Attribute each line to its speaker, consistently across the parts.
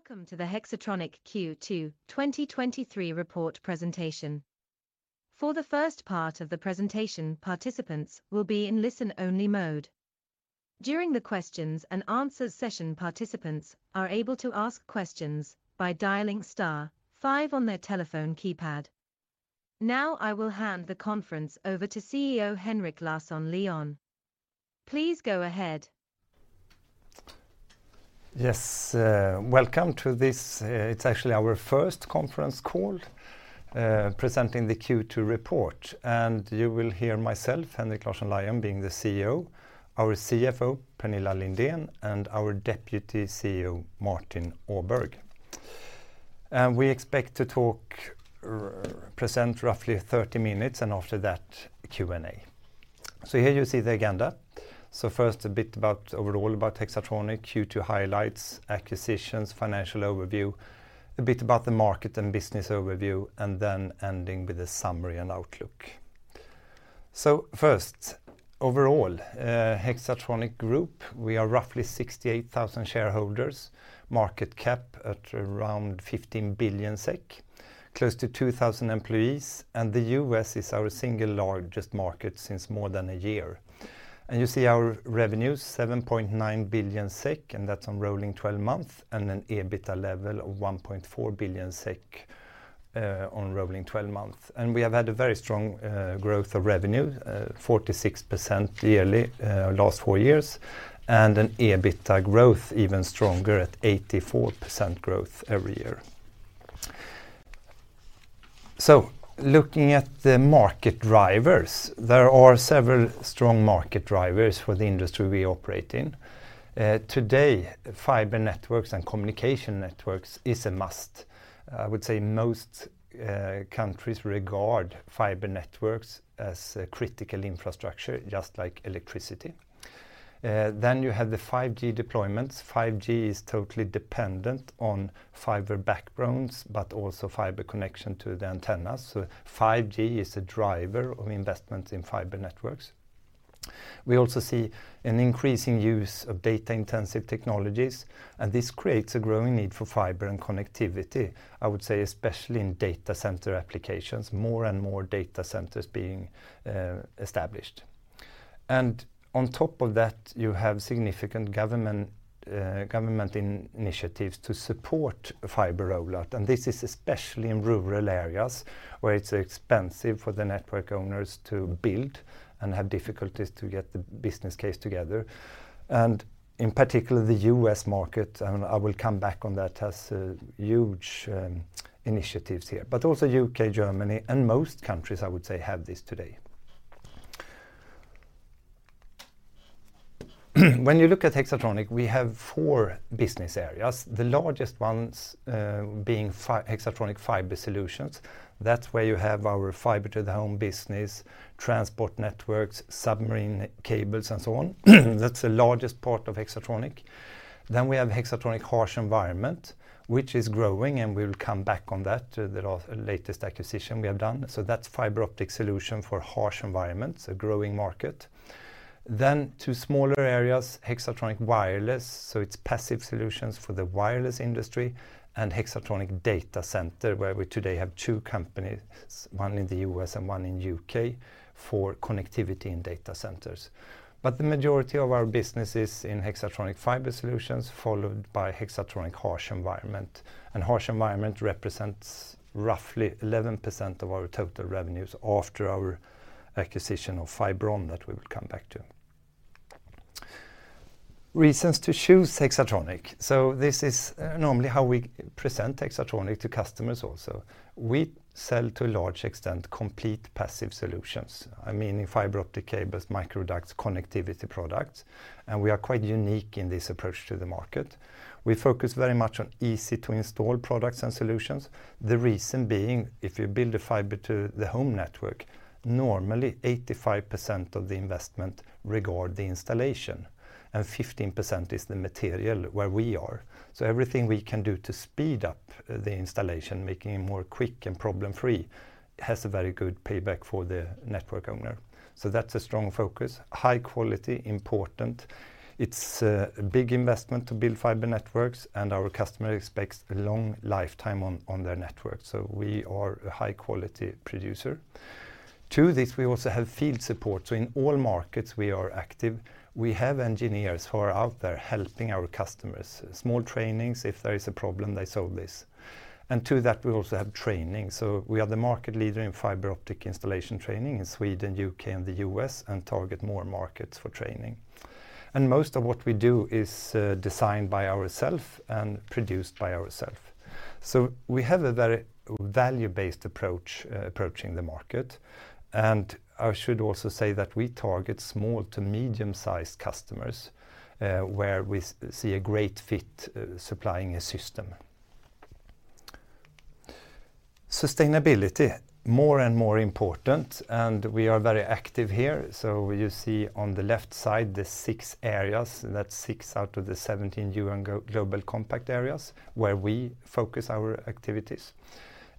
Speaker 1: Welcome to the Hexatronic Q2 2023 report presentation. For the first part of the presentation, participants will be in listen-only mode. During the questions and answers session, participants are able to ask questions by dialing star five on their telephone keypad. Now, I will hand the conference over to CEO Henrik Larsson-Lyon. Please go ahead.
Speaker 2: Yes, welcome to this. It's actually our first conference call, presenting the Q2 report, and you will hear myself, Henrik Larsson-Lyon, being the CEO, our CFO, Pernilla Lindén, and our Deputy CEO, Martin Åberg. We expect to talk or present roughly 30 minutes, and after that, Q&A. Here you see the agenda. First, a bit about, overall about Hexatronic, Q2 highlights, acquisitions, financial overview, a bit about the market and business overview, and then ending with a summary and outlook. First, overall, Hexatronic Group, we are roughly 68,000 shareholders, market cap at around 15 billion SEK, close to 2,000 employees, and the U.S. is our single largest market since more than a year. You see our revenues, 7.9 billion SEK, and that's on rolling 12 months, and an EBITDA level of 1.4 billion SEK on rolling 12 months. We have had a very strong growth of revenue, 46% yearly, last four years, and an EBITDA growth even stronger at 84% growth every year. Looking at the market drivers, there are several strong market drivers for the industry we operate in. Today, fiber networks and communication networks is a must. I would say most countries regard fiber networks as a critical infrastructure, just like electricity. You have the 5G deployments. 5G is totally dependent on fiber backbones, but also fiber connection to the antennas. 5G is a driver of investment in fiber networks. We also see an increasing use of data-intensive technologies, this creates a growing need for fiber and connectivity, I would say, especially in data center applications, more and more data centers being established. On top of that, you have significant government initiatives to support fiber rollout, and this is especially in rural areas, where it's expensive for the network owners to build and have difficulties to get the business case together. In particular, the U.S. market, and I will come back on that, has huge initiatives here. Also U.K., Germany, and most countries, I would say, have this today. When you look at Hexatronic, we have four business areas, the largest ones being Hexatronic Fiber Solutions. That's where you have our Fiber to the Home business, Transport Networks, submarine cables, and so on. That's the largest part of Hexatronic. We have Hexatronic Harsh Environment, which is growing, and we will come back on that, the last latest acquisition we have done. That's fiber optic solution for Harsh Environments, a growing market. Two smaller areas, Hexatronic Wireless, so it's passive solutions for the wireless industry, and Hexatronic Data Center, where we today have two companies, one in the U.S. and one in U.K., for connectivity in data centers. The majority of our business is in Hexatronic Fiber Solutions, followed by Hexatronic Harsh Environment. Harsh Environment represents roughly 11% of our total revenues after our acquisition of Fibron that we will come back to. Reasons to choose Hexatronic. This is normally how we present Hexatronic to customers also. We sell, to a large extent, complete passive solutions, meaning fiber optic cables, microducts, connectivity products, and we are quite unique in this approach to the market. We focus very much on easy-to-install products and solutions. The reason being, if you build a Fiber to the Home network, normally, 85% of the investment regard the installation, and 15% is the material where we are. Everything we can do to speed up the installation, making it more quick and problem-free, has a very good payback for the network owner. That's a strong focus. High quality, important. It's a big investment to build fiber networks, and our customer expects a long lifetime on their network, so we are a high-quality producer. To this, we also have field support, so in all markets, we are active. We have engineers who are out there helping our customers. Small trainings, if there is a problem, they solve this. To that, we also have training. We are the market leader in fiber optic installation training in Sweden, U.K., and the U.S., and target more markets for training. Most of what we do is designed by ourself and produced by ourself. We have a very value-based approach, approaching the market, and I should also say that we target small to medium-sized customers, where we see a great fit, supplying a system. Sustainability, more and more important, and we are very active here. You see on the left side, the six areas, that's six out of the 17 UN Global Compact areas, where we focus our activities.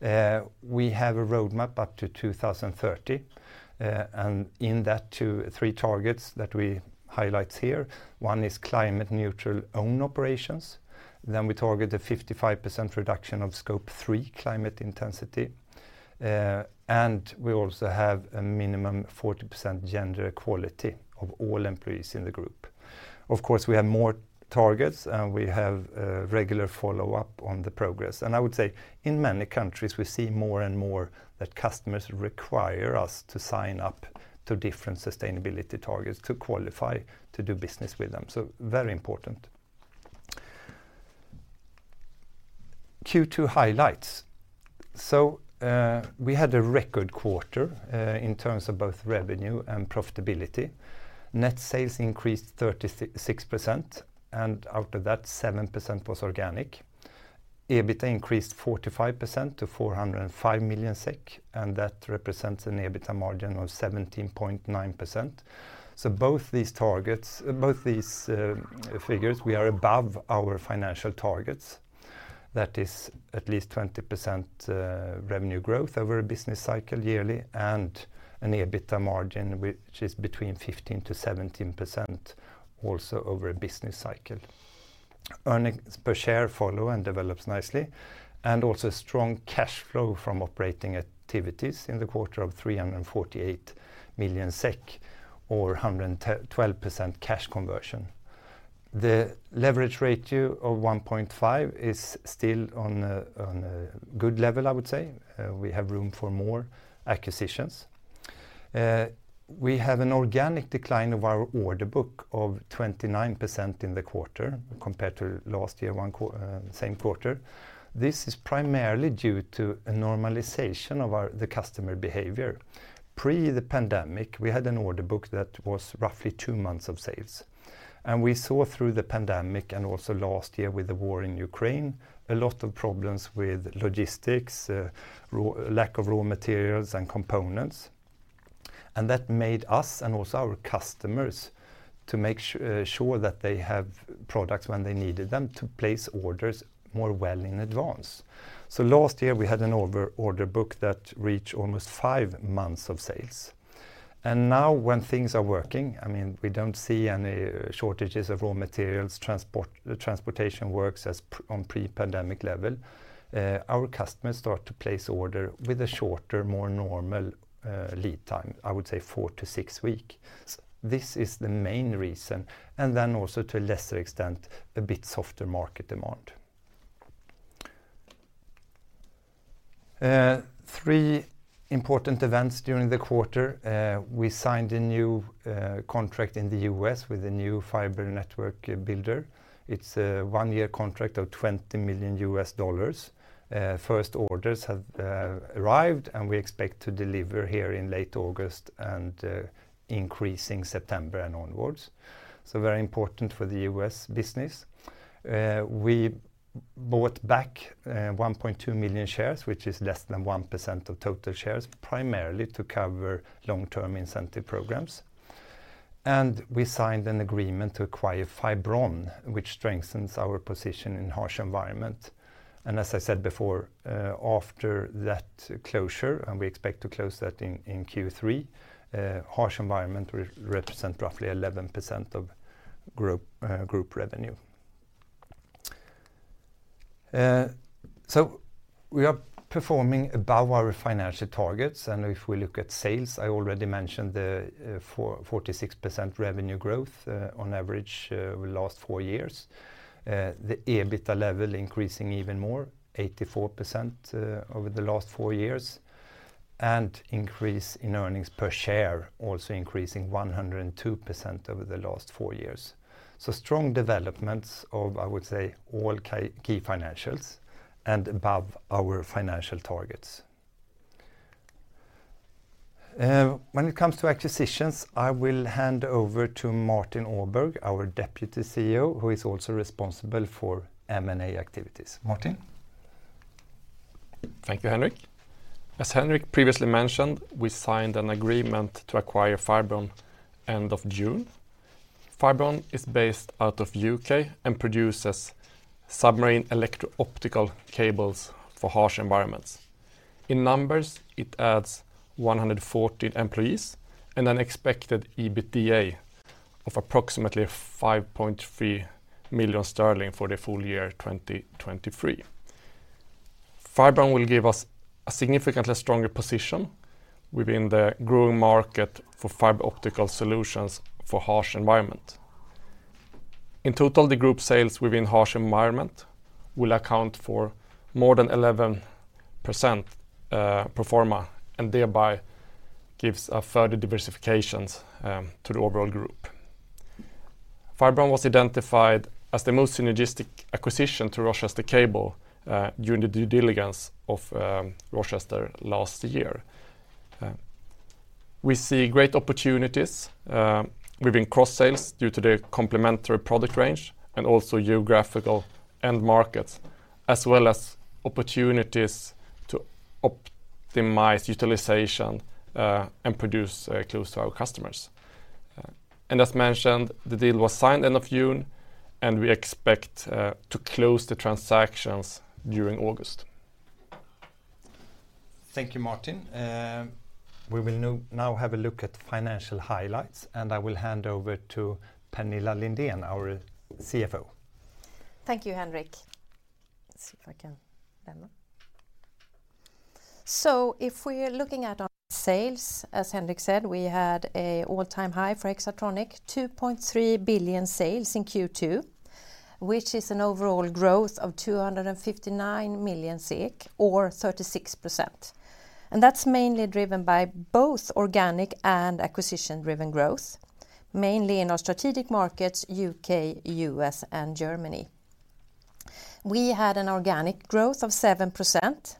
Speaker 2: We have a roadmap up to 2030, and in that two to three targets that we highlight here, one is climate-neutral own operations. We target a 55% reduction of Scope 3 climate intensity, and we also have a minimum 40% gender equality of all employees in the group. Of course, we have more targets, and we have regular follow-up on the progress. I would say in many countries, we see more and more that customers require us to sign up to different sustainability targets to qualify to do business with them. Very important. Q2 highlights. We had a record quarter in terms of both revenue and profitability. Net sales increased 36%, and out of that, 7% was organic. EBITDA increased 45% to 405 million SEK, that represents an EBITDA margin of 17.9%. Both these figures, we are above our financial targets. That is at least 20% revenue growth over a business cycle yearly, an EBITDA margin, which is between 15%-17%, also over a business cycle. Earnings per share follow and develops nicely, also strong cash flow from operating activities in the quarter of 348 million SEK, or 112% cash conversion. The leverage ratio of 1.5 is still on a good level, I would say. We have room for more acquisitions. We have an organic decline of our order book of 29% in the quarter compared to last year, same quarter. This is primarily due to a normalization of our, the customer behavior. Pre the pandemic, we had an order book that was roughly two months of sales. We saw through the pandemic and also last year with the war in Ukraine, a lot of problems with logistics, lack of raw materials and components. That made us, and also our customers, to make sure that they have products when they needed them to place orders more well in advance. Last year, we had an over order book that reached almost five months of sales. Now when things are working, I mean, we don't see any shortages of raw materials, transportation works on pre-pandemic level, our customers start to place order with a shorter, more normal, lead time, I would say four to six weeks. This is the main reason, also to a lesser extent, a bit softer market demand. Three important events during the quarter. We signed a new contract in the U.S. with a new fiber network builder. It's a one-year contract of $20 million. First orders have arrived, we expect to deliver here in late August and increasing September and onwards. Very important for the U.S. business. We bought back 1.2 million shares, which is less than 1% of total shares, primarily to cover long-term incentive programs. We signed an agreement to acquire Fibron, which strengthens our position in Harsh Environment. As I said before, after that closure, we expect to close that in Q3, Harsh Environment will represent roughly 11% of group revenue. We are performing above our financial targets. If we look at sales, I already mentioned the 46% revenue growth on average over the last four years. The EBITDA level increasing even more, 84% over the last four years, and increase in earnings per share, also increasing 102% over the last four years. Strong developments of, I would say, all key, key financials and above our financial targets. When it comes to acquisitions, I will hand over to Martin Åberg, our Deputy CEO, who is also responsible for M&A activities. Martin?
Speaker 3: Thank you, Henrik. As Henrik previously mentioned, we signed an agreement to acquire Fibron end of June. Fibron is based out of U.K. and produces submarine electrooptical cables for Harsh Environments. In numbers, it adds 114 employees and an expected EBITDA of approximately 5.3 million sterling for the full year 2023. Fibron will give us a significantly stronger position within the growing market for fiber optical solutions for Harsh Environment. In total, the group sales within Harsh Environment will account for more than 11% pro forma, and thereby gives a further diversifications to the overall group. Fibron was identified as the most synergistic acquisition to Rochester Cable during the due diligence of Rochester last year.... We see great opportunities within cross sales due to the complementary product range and also geographical end markets, as well as opportunities to optimize utilization and produce close to our customers. As mentioned, the deal was signed end of June, and we expect to close the transactions during August.
Speaker 2: Thank you, Martin. We will now have a look at financial highlights, and I will hand over to Pernilla Lindén, our CFO.
Speaker 4: Thank you, Henrik. Let's see if I can demo. If we're looking at our sales, as Henrik said, we had a all-time high for Hexatronic, 2.3 billion sales in Q2, which is an overall growth of 259 million, or 36%. That's mainly driven by both organic and acquisition-driven growth, mainly in our strategic markets, U.K., U.S., and Germany. We had an organic growth of 7%.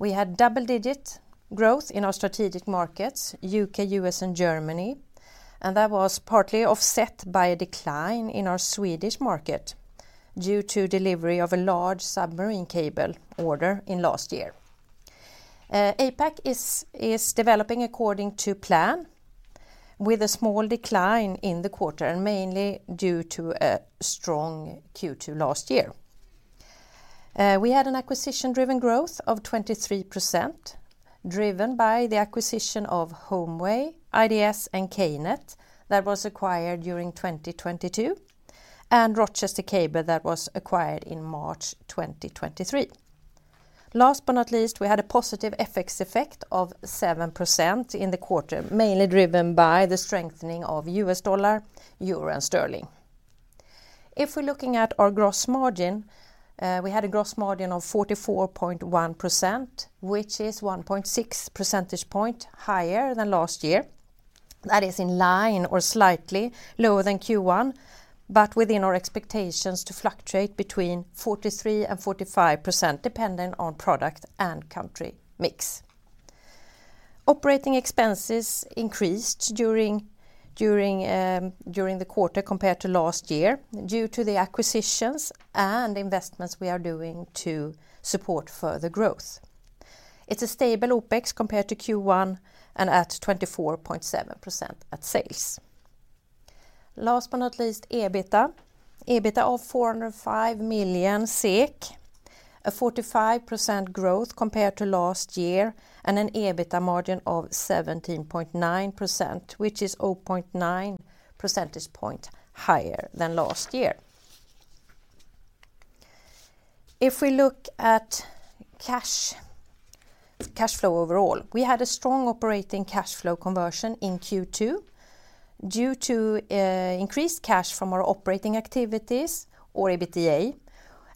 Speaker 4: We had double-digit growth in our strategic markets, U.K., U.S., and Germany, and that was partly offset by a decline in our Swedish market due to delivery of a large submarine cable order in last year. APAC is developing according to plan, with a small decline in the quarter, and mainly due to a strong Q2 last year. We had an acquisition-driven growth of 23%, driven by the acquisition of Homeway, IDS, and KNET, that was acquired during 2022, and Rochester Cable, that was acquired in March 2023. Last but not least, we had a positive FX effect of 7% in the quarter, mainly driven by the strengthening of U.S. dollar, euro, and sterling. If we're looking at our gross margin, we had a gross margin of 44.1%, which is 1.6 percentage point higher than last year. That is in line or slightly lower than Q1, but within our expectations to fluctuate between 43%-45%, depending on product and country mix. Operating expenses increased during, during, during the quarter compared to last year, due to the acquisitions and investments we are doing to support further growth. It's a stable OpEx compared to Q1 and at 24.7% at sales. Last but not least, EBITDA. EBITDA of 405 million SEK, a 45% growth compared to last year, and an EBITDA margin of 17.9%, which is 0.9 percentage point higher than last year. If we look at cash, cash flow overall, we had a strong operating cash flow conversion in Q2 due to increased cash from our operating activities or EBITDA,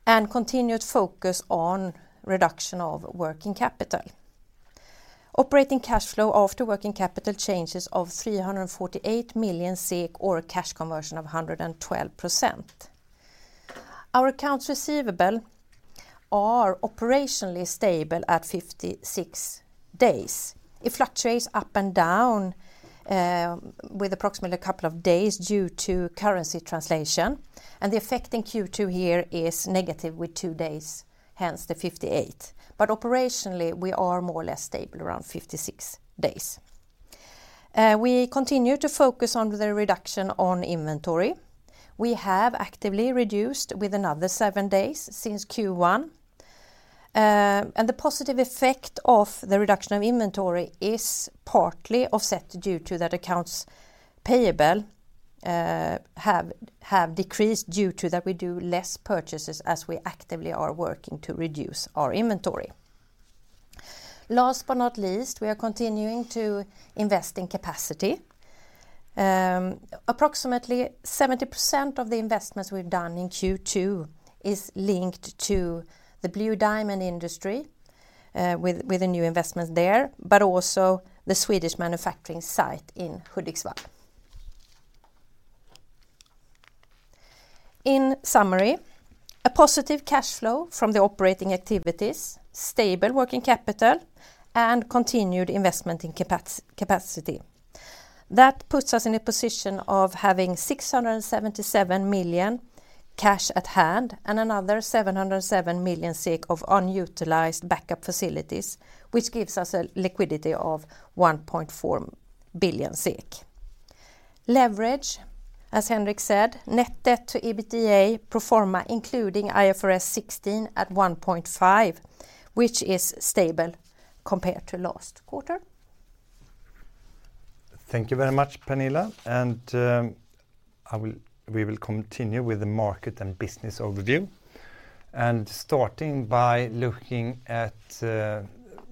Speaker 4: and continued focus on reduction of working capital. Operating cash flow after working capital changes of 348 million SEK, or a cash conversion of 112%. Our accounts receivable are operationally stable at 56 days. It fluctuates up and down, with approximately a couple of days due to currency translation. The effect in Q2 here is negative with two days, hence the 58. Operationally, we are more or less stable, around 56 days. We continue to focus on the reduction on inventory. We have actively reduced with another seven days since Q1. The positive effect of the reduction of inventory is partly offset due to that accounts payable have decreased due to that we do less purchases as we actively are working to reduce our inventory. Last but not least, we are continuing to invest in capacity. Approximately 70% of the investments we've done in Q2 is linked to the Blue Diamond Industries, with the new investments there, also the Swedish manufacturing site in Hudiksvall. In summary, a positive cash flow from the operating activities, stable working capital, and continued investment in capacity. That puts us in a position of having 677 million cash at hand and another 707 million of unutilized backup facilities, which gives us a liquidity of 1.4 billion. Leverage, as Henrik said, net debt to EBITDA pro forma, including IFRS 16 at 1.5, which is stable compared to last quarter.
Speaker 2: Thank you very much, Pernilla, and we will continue with the market and business overview. Starting by looking at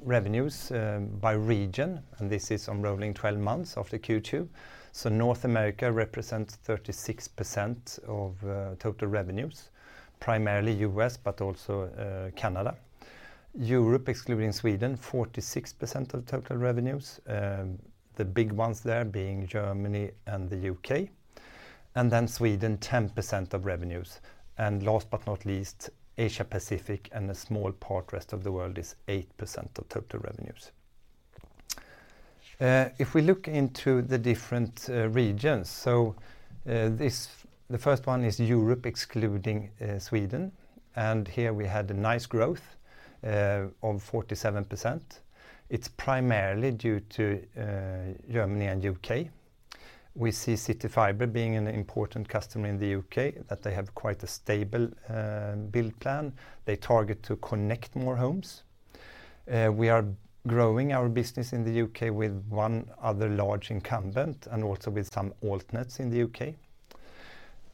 Speaker 2: revenues by region, this is on rolling 12 months of the Q2. North America represents 36% of total revenues, primarily U.S., but also Canada. Europe, excluding Sweden, 46% of total revenues, the big ones there being Germany and the U.K.. Sweden, 10% of revenues. Last but not least, Asia Pacific and a small part, rest of the world, is 8% of total revenues. If we look into the different regions, so the first one is Europe, excluding Sweden. Here we had a nice growth of 47%. It's primarily due to Germany and U.K.. We see CityFibre being an important customer in the U.K., that they have quite a stable build plan. They target to connect more homes. We are growing our business in the U.K. with one other large incumbent and also with some AltNets in the U.K..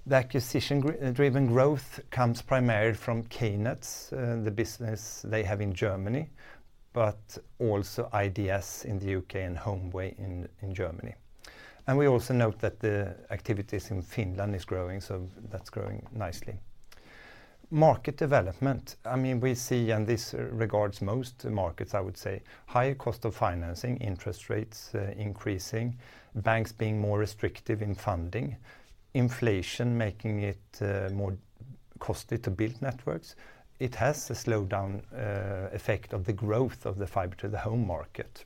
Speaker 2: The acquisition driven growth comes primarily from KNETs, the business they have in Germany, but also IDS in the U.K. and Homeway in Germany. We also note that the activities in Finland is growing, so that's growing nicely. Market development, I mean, we see, and this regards most markets, I would say, higher cost of financing, interest rates increasing, banks being more restrictive in funding, inflation making it more costly to build networks. It has a slowdown effect of the growth of the Fiber to the Home market.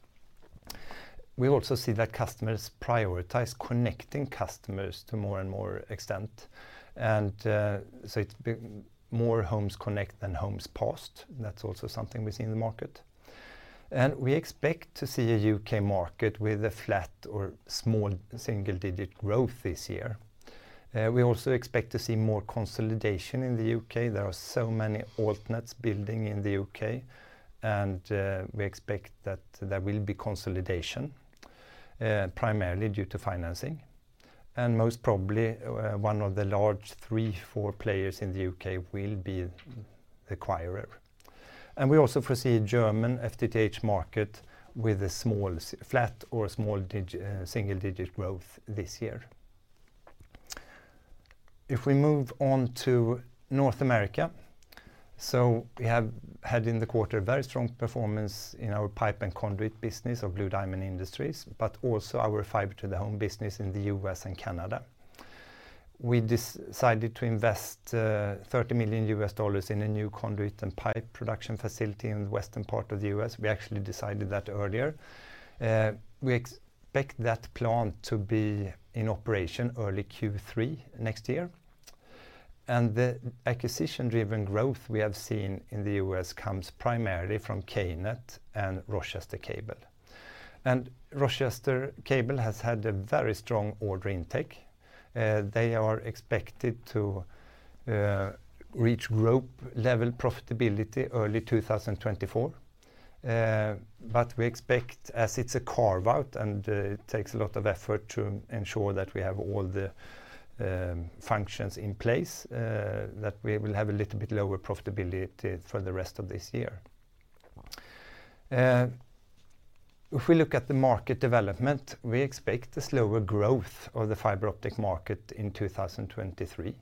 Speaker 2: We also see that customers prioritize connecting customers to more and more extent, and, so it's more Homes Connect than Homes Passed. That's also something we see in the market. We expect to see a U.K. market with a flat or small single-digit growth this year. We also expect to see more consolidation in the U.K. There are so many AltNets building in the U.K., we expect that there will be consolidation, primarily due to financing. Most probably, one of the large three, four players in the U.K. will be acquirer. We also foresee German FTTH market with a small flat or small single-digit growth this year. If we move on to North America, we have had in the quarter, a very strong performance in our pipe and conduit business of Blue Diamond Industries, but also our Fiber to the Home business in the U.S and Canada. We decided to invest $30 million in a new conduit and pipe production facility in the western part of the U.S.. We actually decided that earlier. We expect that plant to be in operation early Q3 next year. The acquisition-driven growth we have seen in the U.S. comes primarily from KNET and Rochester Cable. Rochester Cable has had a very strong order intake. They are expected to reach group level profitability early 2024. We expect as it's a carve-out and it takes a lot of effort to ensure that we have all the functions in place, that we will have a little bit lower profitability for the rest of this year. If we look at the market development, we expect a slower growth of the fiber optic market in 2023.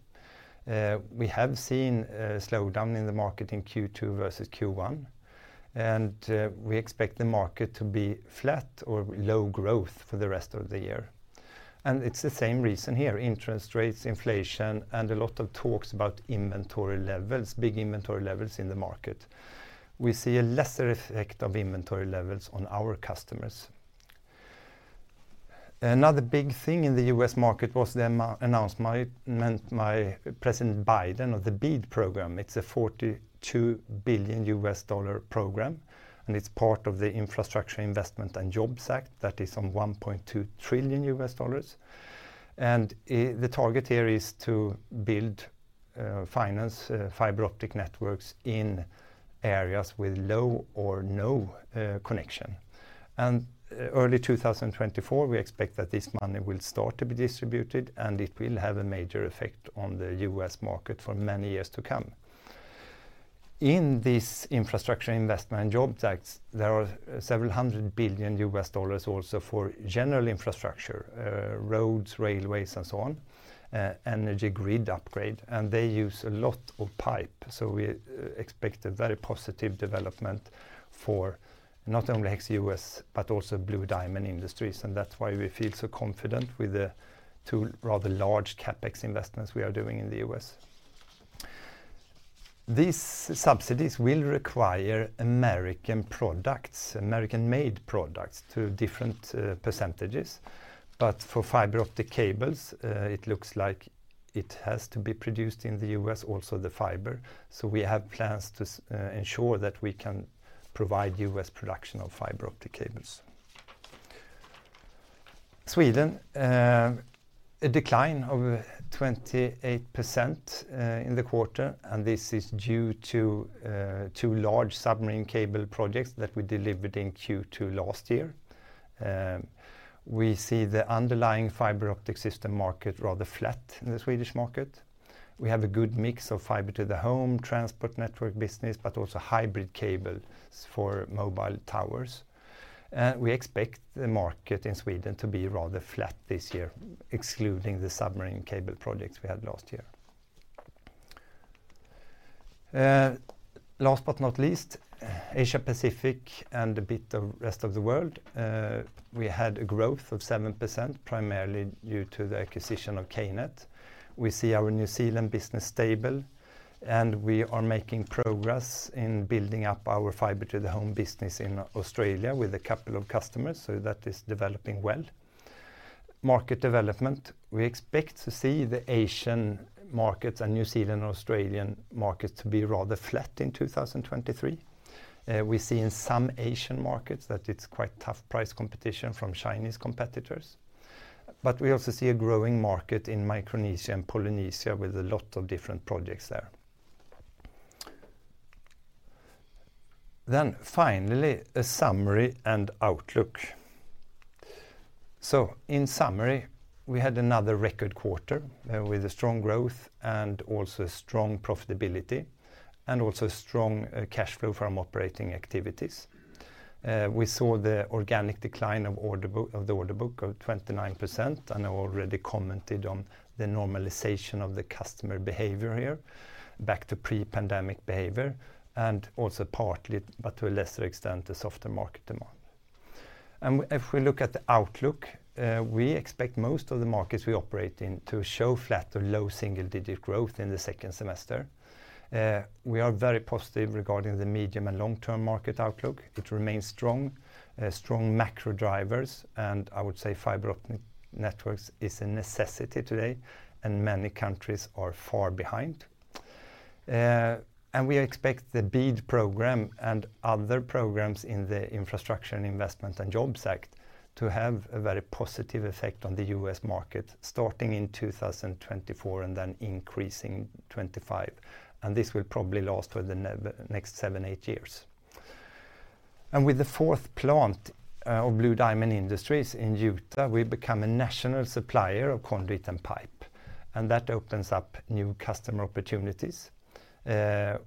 Speaker 2: We have seen a slowdown in the market in Q2 versus Q1, and we expect the market to be flat or low growth for the rest of the year. It's the same reason here: interest rates, inflation, a lot of talks about inventory levels, big inventory levels in the market. We see a lesser effect of inventory levels on our customers. Another big thing in the U.S. market was the announcement by President Biden of the BEAD Program. It's a $42 billion program, it's part of the Infrastructure Investment and Jobs Act. That is on $1.2 trillion. The target here is to build, finance, fiber optic networks in areas with low or no connection. Early 2024, we expect that this money will start to be distributed, and it will have a major effect on the U.S. market for many years to come. In this Infrastructure Investment and Jobs Act, there are several hundred billion U.S. dollars also for general infrastructure, roads, railways, and so on, energy grid upgrade, and they use a lot of pipe. We expect a very positive development for not only Hexatronic US, but also Blue Diamond Industries, and that's why we feel so confident with the two rather large CapEx investments we are doing in the U.S. These subsidies will require American products, American-made products, to different percentages, but for fiber optic cables, it looks like it has to be produced in the U.S., also the fiber. We have plans to ensure that we can provide U.S. production of fiber optic cables. Sweden, a decline of 28% in the quarter. This is due to two large submarine cable projects that we delivered in Q2 last year. We see the underlying fiber optic system market rather flat in the Swedish market. We have a good mix of Fiber to the Home, Transport Network business, but also hybrid cable for mobile towers. We expect the market in Sweden to be rather flat this year, excluding the submarine cable projects we had last year. Last but not least, Asia Pacific and a bit of rest of the world, we had a growth of 7%, primarily due to the acquisition of KNET. We see our New Zealand business stable, and we are making progress in building up our Fiber to the Home business in Australia with a couple of customers, so that is developing well. Market development, we expect to see the Asian markets and New Zealand and Australian markets to be rather flat in 2023. We see in some Asian markets that it's quite tough price competition from Chinese competitors. We also see a growing market in Micronesia and Polynesia with a lot of different projects there. Finally, a summary and outlook. In summary, we had another record quarter, with a strong growth and also strong profitability, and also strong cash flow from operating activities. We saw the organic decline of the order book of 29%, and I already commented on the normalization of the customer behavior here, back to pre-pandemic behavior, and also partly, but to a lesser extent, the softer market demand. If we look at the outlook, we expect most of the markets we operate in to show flat or low single-digit growth in the second semester. We are very positive regarding the medium and long-term market outlook. It remains strong. Strong macro drivers, and I would say fiber optic networks is a necessity today, and many countries are far behind. We expect the BEAD Program and other programs in the Infrastructure Investment and Jobs Act to have a very positive effect on the U.S. market, starting in 2024, and then increasing in 2025, and this will probably last for the next seven, eight years. With the fourth plant of Blue Diamond Industries in Utah, we become a national supplier of conduit and pipe, and that opens up new customer opportunities.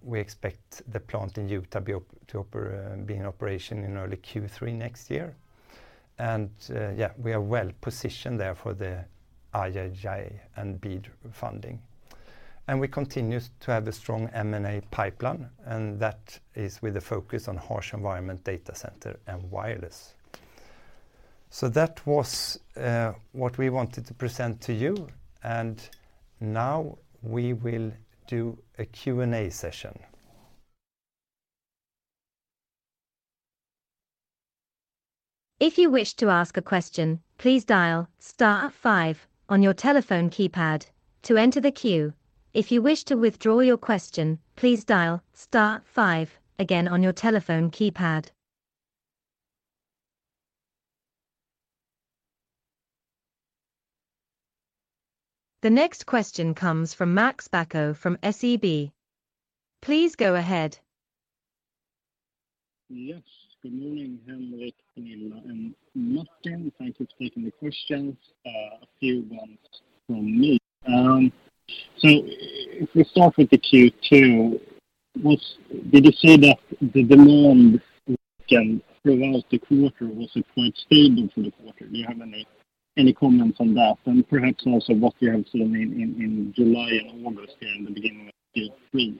Speaker 2: We expect the plant in Utah be in operation in early Q3 next year. Yeah, we are well positioned there for the IIJA and BEAD funding. We continue to have a strong M&A pipeline, and that is with a focus on Harsh Environment data center and wireless. That was what we wanted to present to you, and now we will do a Q&A session.
Speaker 1: If you wish to ask a question, please dial star five on your telephone keypad to enter the queue. If you wish to withdraw your question, please dial star five again on your telephone keypad. The next question comes from Max Bacco from SEB. Please go ahead.
Speaker 5: Yes. Good morning, Henrik, Pernilla, and Martin. Thank you for taking the questions, a few ones from me. If we start with the Q2, was Did you say that the demand again, throughout the quarter, was it quite stable for the quarter? Do you have any comments on that, and perhaps also what you have seen in July and August here in the beginning of Q3?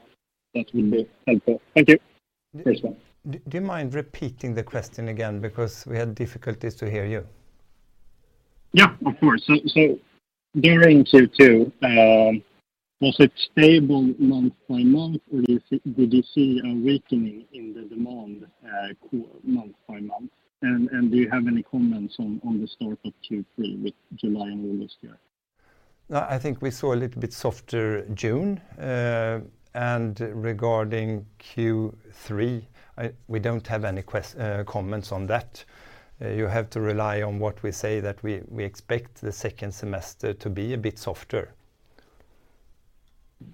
Speaker 5: That would be helpful. Thank you. First one.
Speaker 2: Do you mind repeating the question again? We had difficulties to hear you.
Speaker 5: Yeah, of course. So during Q2, was it stable month-by-month, or did you see a weakening in the demand month-by-month? And do you have any comments on the start of Q3 with July and August year?
Speaker 2: I think we saw a little bit softer June. Regarding Q3, I, we don't have any comments on that. You have to rely on what we say, that we, we expect the second semester to be a bit softer.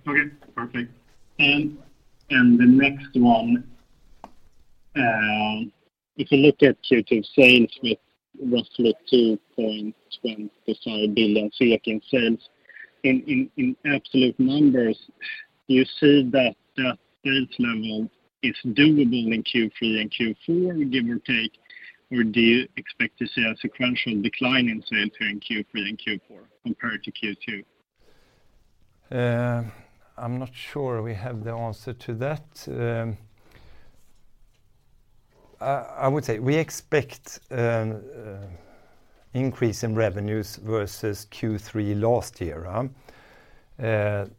Speaker 5: Okay, perfect. The next one, if you look at Q2 sales with roughly 2.7 billion-5 billion in sales, in absolute numbers, do you see that that sales level is doable in Q3 and Q4, give or take, or do you expect to see a sequential decline in sales here in Q3 and Q4 compared to Q2?
Speaker 2: I'm not sure we have the answer to that. I would say we expect increase in revenues versus Q3 last year.
Speaker 5: Mm.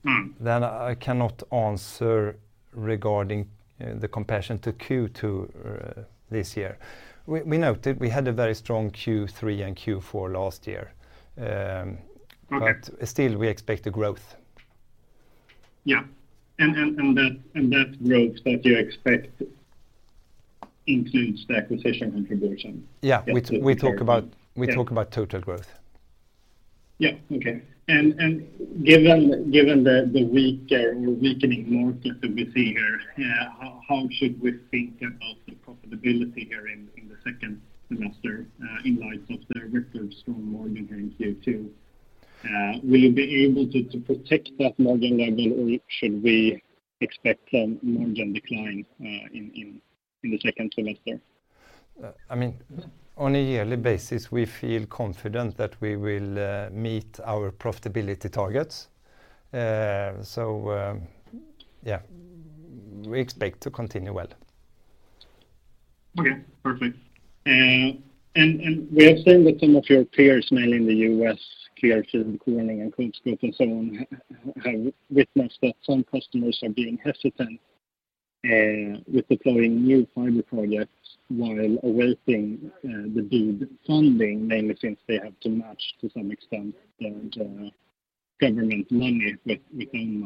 Speaker 2: I cannot answer regarding the comparison to Q2 this year. We, we noted we had a very strong Q3 and Q4 last year.
Speaker 5: Okay.
Speaker 2: Still, we expect a growth.
Speaker 5: Yeah, and that growth that you expect includes the acquisition contribution?
Speaker 2: Yeah.
Speaker 5: With the-
Speaker 2: We talk about-
Speaker 5: Yeah
Speaker 2: we talk about total growth.
Speaker 5: Yeah. Okay. Given, given the, the weak, or weakening market that we see here, how, how should we think about the profitability here in the second semester, in light of the relatively strong margin here in Q2? Will you be able to, to protect that margin level, or should we expect a margin decline, in the second semester?...
Speaker 2: I mean, on a yearly basis, we feel confident that we will meet our profitability targets. Yeah, we expect to continue well.
Speaker 5: Okay, perfect. We are saying that some of your peers, mainly in the U.S. Clearfield, Corning, and CommScope, and so on, have, have witnessed that some customers are being hesitant with deploying new fiber projects while awaiting the BEAD funding, mainly since they have to match to some extent the government money with, with own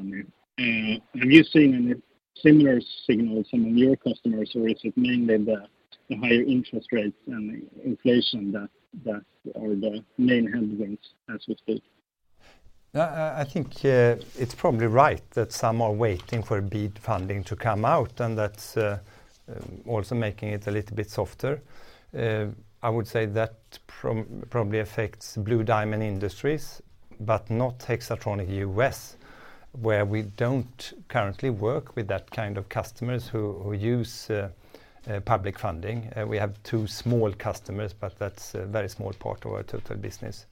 Speaker 5: money. Have you seen any similar signals from your customers, or is it mainly the higher interest rates and inflation that are the main headwinds as we speak?
Speaker 2: I, I think it's probably right that some are waiting for BEAD funding to come out, and that's also making it a little bit softer. I would say that probably affects Blue Diamond Industries, but not Hexatronic US, where we don't currently work with that kind of customers who use public funding. We have two small customers, but that's a very small part of our total business.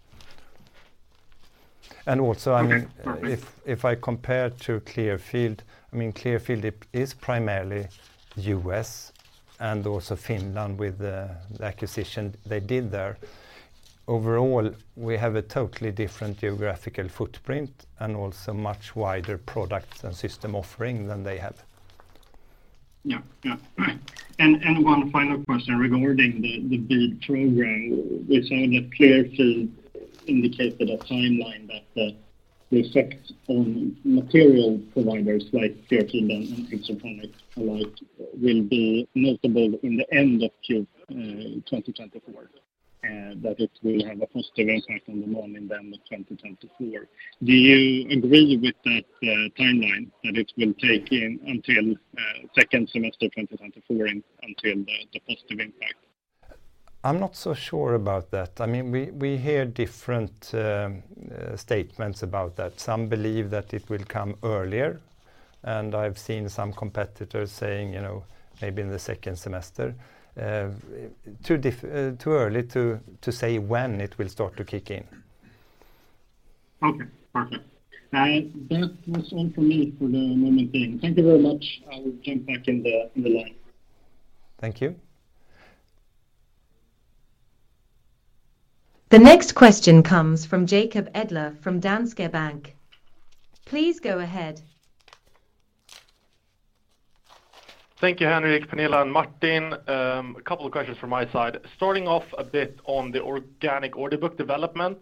Speaker 2: Also, I mean.
Speaker 5: Okay, perfect.
Speaker 2: If I compare to Clearfield, I mean, Clearfield is primarily U.S. and also Finland with the acquisition they did there. Overall, we have a totally different geographical footprint and also much wider products and system offering than they have.
Speaker 5: Yeah. Yeah, right. One final question regarding the BEAD Program. We saw that Clearfield indicated a timeline that the effect on material providers like Clearfield and Hexatronic alike will be notable in the end of Q2 2024, that it will have a positive impact on the volume then of 2024. Do you agree with that timeline, that it will take in until second semester 2024 until the positive impact?
Speaker 2: I'm not so sure about that. I mean, we, we hear different statements about that. Some believe that it will come earlier, and I've seen some competitors saying, you know, maybe in the second semester. Too early to say when it will start to kick in.
Speaker 5: Okay. Perfect. That was all for me for the moment then. Thank you very much. I will jump back in the, in the line.
Speaker 2: Thank you.
Speaker 1: The next question comes from Jacob Edler, from Danske Bank. Please go ahead.
Speaker 6: Thank you, Henrik, Pernilla, and Martin. A couple of questions from my side. Starting off a bit on the organic order book development,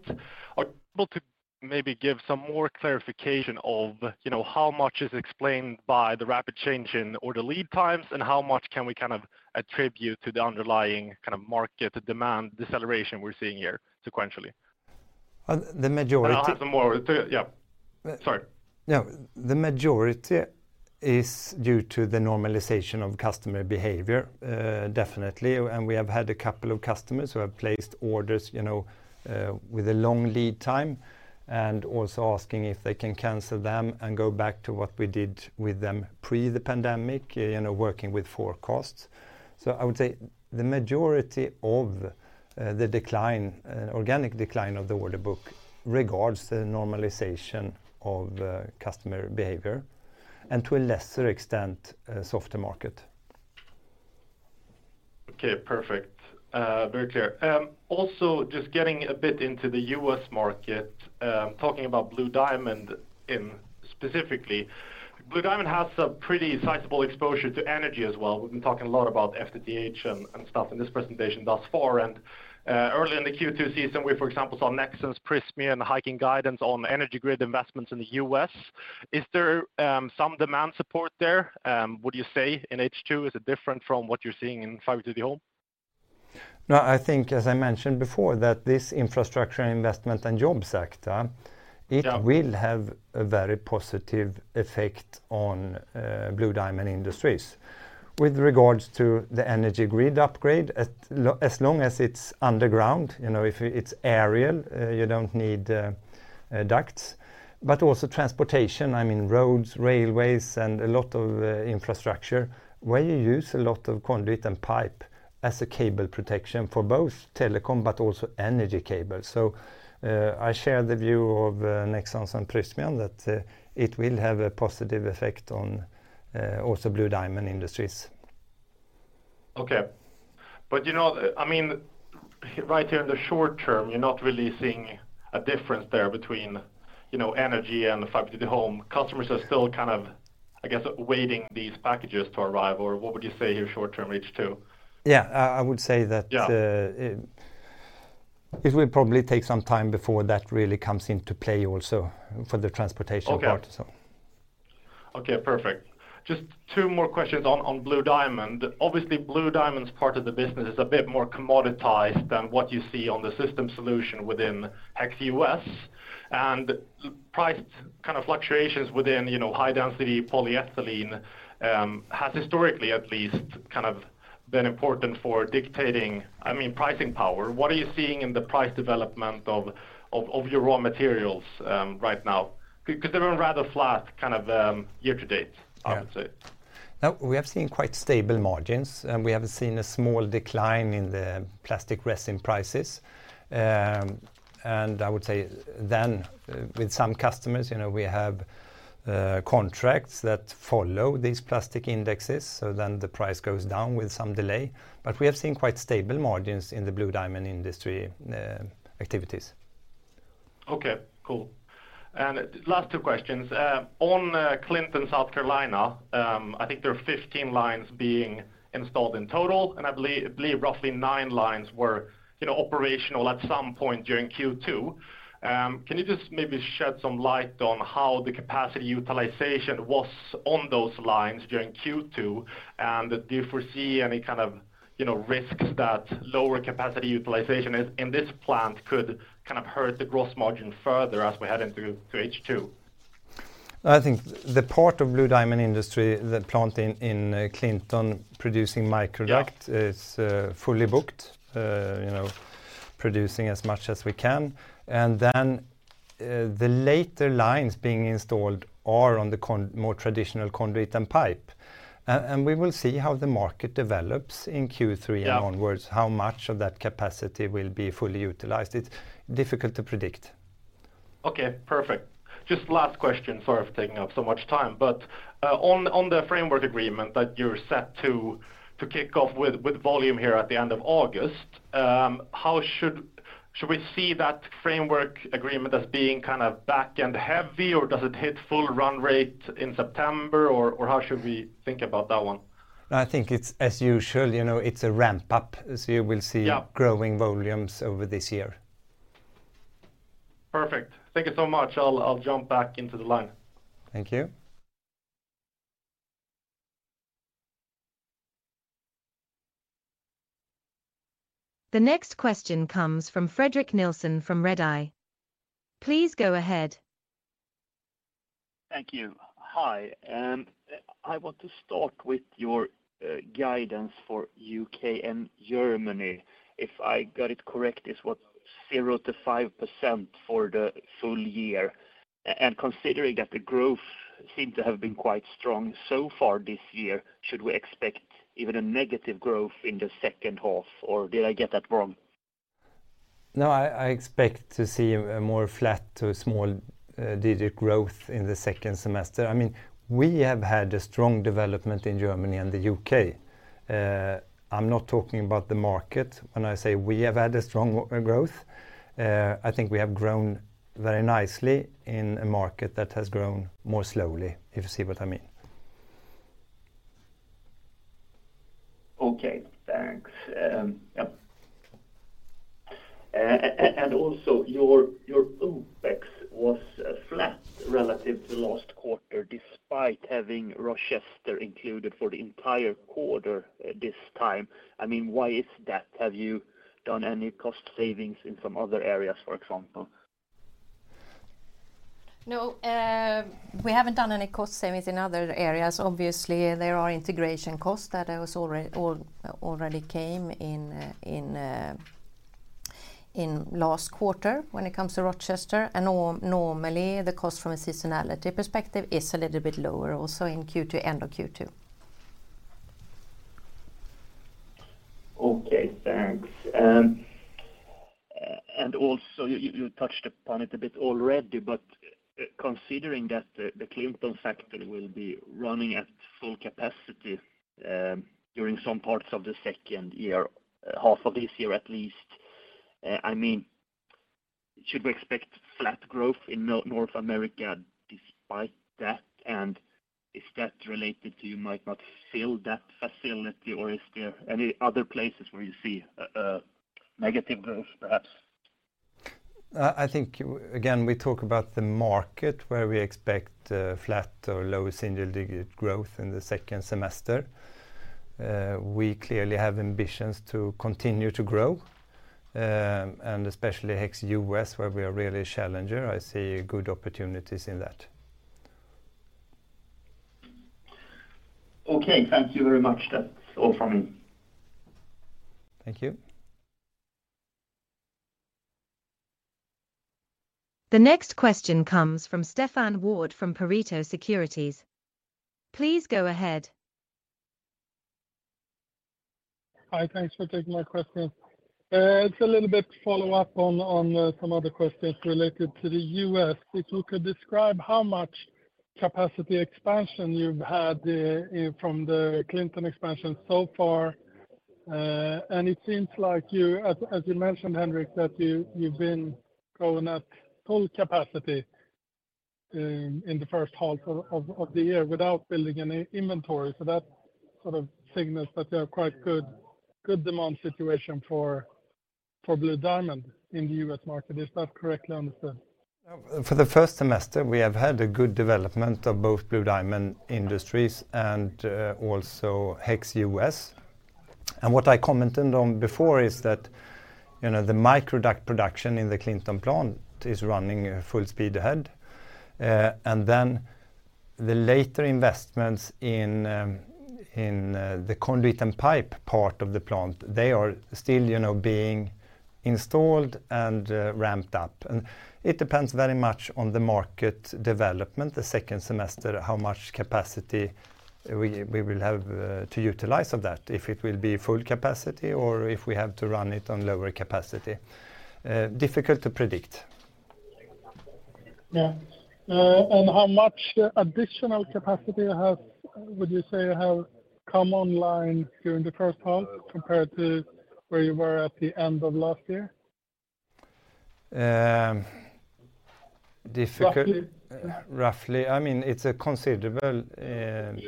Speaker 6: are you able to maybe give some more clarification of, you know, how much is explained by the rapid change in order lead times, and how much can we kind of attribute to the underlying kind of market demand deceleration we're seeing here sequentially?
Speaker 2: the majority-
Speaker 6: I'll take some more. Yeah. Sorry.
Speaker 2: Yeah. The majority is due to the normalization of customer behavior, definitely, we have had a couple of customers who have placed orders, you know, with a long lead time, and also asking if they can cancel them and go back to what we did with them pre the pandemic, you know, working with forecasts. I would say the majority of the decline, organic decline of the order book regards the normalization of customer behavior, and to a lesser extent, softer market.
Speaker 6: Okay, perfect. very clear. Just getting a bit into the U.S. market, talking about Blue Diamond in specifically. Blue Diamond has a pretty sizable exposure to energy as well. We've been talking a lot about FTTH and, and stuff in this presentation thus far, and early in the Q2 season, we, for example, saw Nexans and Prysmian hiking guidance on energy grid investments in the US. Is there, some demand support there, would you say in H2? Is it different from what you're seeing in Fiber to the Home?
Speaker 2: No, I think, as I mentioned before, that this Infrastructure Investment and Jobs Act.
Speaker 6: Yeah...
Speaker 2: it will have a very positive effect on Blue Diamond Industries. With regards to the energy grid upgrade, as long as it's underground, you know, if it's aerial, you don't need ducts, but also transportation, I mean, roads, railways, and a lot of infrastructure, where you use a lot of conduit and pipe as a cable protection for both telecom, but also energy cable. So, I share the view of Nexans and Prysmian that it will have a positive effect on also Blue Diamond Industries.
Speaker 6: Okay. You know, I mean, right here in the short term, you're not really seeing a difference there between, you know, energy and the Fiber to the Home. Customers are still kind of, I guess, awaiting these packages to arrive, or what would you say here short term H2?
Speaker 2: Yeah. I would say that.
Speaker 6: Yeah...
Speaker 2: it will probably take some time before that really comes into play also for the transportation part.
Speaker 6: Okay.
Speaker 2: So.
Speaker 6: Okay, perfect. Just two more questions on, on Blue Diamond. Obviously, Blue Diamond's part of the business is a bit more commoditized than what you see on the system solution within Hexatronic US, and price kind of fluctuations within, you know, high-density polyethylene, has historically at least kind of been important for dictating, I mean, pricing power. What are you seeing in the price development of, of, of your raw materials right now? Because they're been rather flat, kind of, year to date.
Speaker 2: Yeah...
Speaker 6: I would say.
Speaker 2: We have seen quite stable margins, and we have seen a small decline in the plastic resin prices. I would say then with some customers, you know, we have contracts that follow these plastic indexes, so then the price goes down with some delay. We have seen quite stable margins in the Blue Diamond industry activities.
Speaker 6: Okay, cool. Last two questions. On Clinton, South Carolina, I think there are 15 lines being installed in total, and I believe, believe roughly nine lines were, you know, operational at some point during Q2. Can you just maybe shed some light on how the capacity utilization was on those lines during Q2? Do you foresee any kind of, you know, risks that lower capacity utilization in, in this plant could kind of hurt the growth margin further as we head into, to H2?
Speaker 2: I think the part of Blue Diamond Industries, that plant in, in Clinton producing microduct-
Speaker 6: Yeah
Speaker 2: is, fully booked, you know, producing as much as we can. Then, the later lines being installed are on the more traditional conduit and pipe. We will see how the market develops in Q3-
Speaker 6: Yeah
Speaker 2: and onwards, how much of that capacity will be fully utilized. It's difficult to predict.
Speaker 6: Okay, perfect. Just last question, sorry for taking up so much time. On the framework agreement that you're set to kick off with volume here at the end of August, how should we see that framework agreement as being kind of back-end heavy, or does it hit full run rate in September, or how should we think about that one?
Speaker 2: I think it's as usual, you know, it's a ramp-up, as you will see.
Speaker 6: Yeah...
Speaker 2: growing volumes over this year.
Speaker 6: Perfect. Thank you so much. I'll, I'll jump back into the line.
Speaker 2: Thank you.
Speaker 1: The next question comes from Fredrik Nilsson from Redeye. Please go ahead.
Speaker 7: Thank you. Hi, I want to start with your guidance for UK and Germany. If I got it correct, it's, what, 0%-5% for the full year. Considering that the growth seemed to have been quite strong so far this year, should we expect even a negative growth in the second half, or did I get that wrong?
Speaker 2: I, I expect to see a more flat to a small digit growth in the second semester. I mean, we have had a strong development in Germany and the U.K.. I'm not talking about the market when I say we have had a strong growth. I think we have grown very nicely in a market that has grown more slowly, if you see what I mean.
Speaker 7: Okay, thanks. Yep. Also, your OpEx was flat relative to last quarter, despite having Rochester included for the entire quarter this time. I mean, why is that? Have you done any cost savings in some other areas, for example?
Speaker 4: No, we haven't done any cost savings in other areas. Obviously, there are integration costs that was already, already came in, in last quarter when it comes to Rochester Cable. Normally, the cost from a seasonality perspective is a little bit lower, also in Q2, end of Q2.
Speaker 7: Okay, thanks. Also, you touched upon it a bit already, but considering that the Clinton factory will be running at full capacity during some parts of the second year, half of this year, at least, I mean, should we expect flat growth in North America despite that? Is that related to you might not fill that facility, or is there any other places where you see negative growth, perhaps?
Speaker 2: I think, again, we talk about the market where we expect flat or low single-digit growth in the second semester. We clearly have ambitions to continue to grow, and especially Hexatronic US, where we are really a challenger. I see good opportunities in that.
Speaker 7: Okay, thank you very much. That's all from me.
Speaker 2: Thank you.
Speaker 1: The next question comes from Stefan Wård from Pareto Securities. Please go ahead.
Speaker 8: Hi, thanks for taking my question. It's a little bit follow-up on, on, some other questions related to the US. If you could describe how much capacity expansion you've had, from the Clinton expansion so far. It seems like you, as, as you mentioned, Henrik, that you, you've been growing at full capacity, in the first half of the year without building any inventory. That sort of signals that there are quite good, good demand situation for Blue Diamond in the U.S. market. Is that correctly understood?
Speaker 2: For the first semester, we have had a good development of both Blue Diamond Industries and also Hexatronic US. What I commented on before is that, you know, the microduct production in the Clinton plant is running full speed ahead. Then the later investments in the conduit and pipe part of the plant, they are still, you know, being installed and ramped up. It depends very much on the market development, the second semester, how much capacity we will have to utilize of that, if it will be full capacity or if we have to run it on lower capacity. Difficult to predict.
Speaker 8: Yeah. How much additional capacity would you say you have come online during the first half compared to where you were at the end of last year?
Speaker 2: difficult-
Speaker 8: Roughly.
Speaker 2: Roughly. I mean, it's a considerable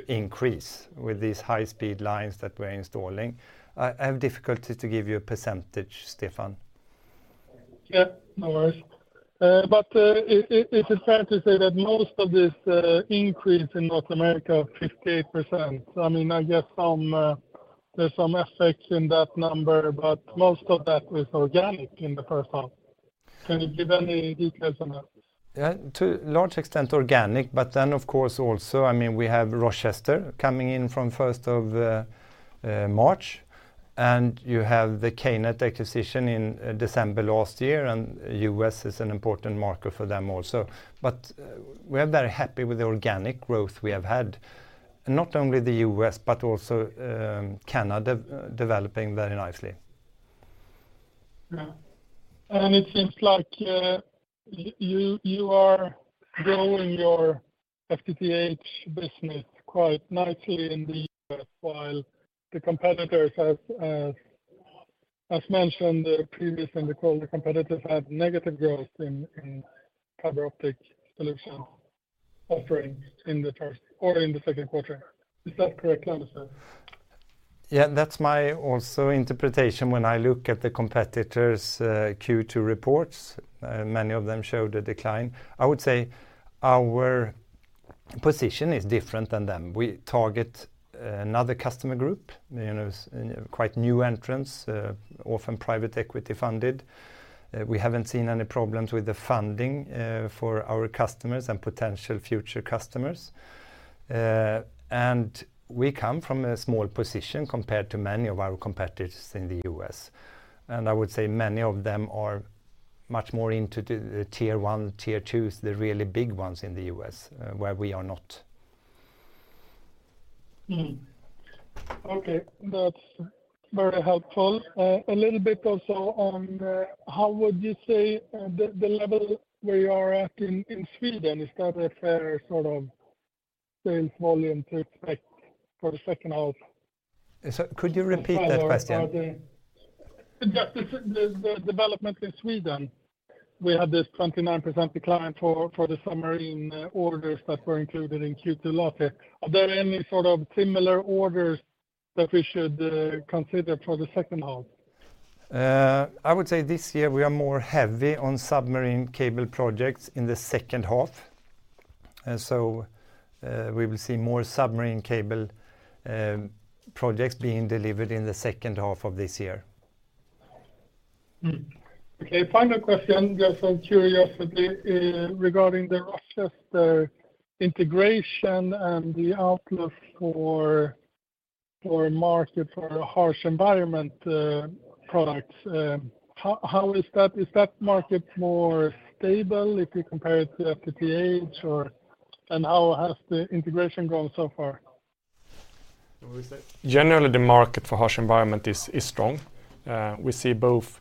Speaker 2: increase with these high-speed lines that we're installing. I, I have difficulty to give you a percentage, Stefan.
Speaker 8: Yeah. No worries. Is it fair to say that most of this increase in North America, 58%? I mean, I guess some there's some effect in that number, but most of that was organic in the first half. Can you give any details on that?
Speaker 2: Yeah, to large extent, organic, but then, of course, also, I mean, we have Rochester coming in from first of March, and you have the KNET acquisition in December last year, and U.S. is an important market for them also. We are very happy with the organic growth we have had, not only the U.S., but also, Canada de-developing very nicely.
Speaker 8: Yeah. It seems like you, you are growing your FTTH business quite nicely in the U.S., while the competitors have, as mentioned, previously in the call, the competitors have negative growth in fiber optic solution offering in the first or in the second quarter. Is that correct to understand?
Speaker 2: Yeah, that's my also interpretation when I look at the competitors', Q2 reports. Many of them showed a decline. I would say our position is different than them. We target, another customer group, you know, quite new entrants, often private equity funded. We haven't seen any problems with the funding, for our customers and potential future customers. We come from a small position compared to many of our competitors in the U.S.. I would say many of them are much more into the tier one, tier twos, the really big ones in the U.S., where we are not.
Speaker 8: Mm. Okay, that's very helpful. A little bit also on, how would you say, the, the level where you are at in, in Sweden? Is that a fair sort of sales volume to expect for the second half?
Speaker 2: Could you repeat that question?
Speaker 8: Just the development in Sweden. We had this 29% decline for, for the submarine, orders that were included in Q2 last year. Are there any sort of similar orders that we should, consider for the second half?
Speaker 2: I would say this year we are more heavy on submarine cable projects in the second half. We will see more submarine cable projects being delivered in the second half of this year.
Speaker 8: Mm. Okay, final question, just out of curiosity, regarding the Rochester integration and the outlook for, for market, for Harsh Environment, products. Is that market more stable if you compare it to FTTH or? How has the integration gone so far?
Speaker 3: Generally, the market for Harsh Environment is, is strong. We see both